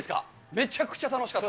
めちゃくちゃ楽しかった。